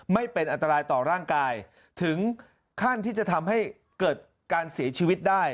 ไม่เป็นอันตรายต่อร่างกายถึงขั้นที่จะทำให้เกิดการเสียชีวิตได้